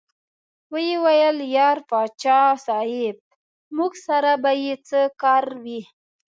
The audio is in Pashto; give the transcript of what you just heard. ویې ویل: یار پاچا صاحب موږ سره به یې څه کار وي.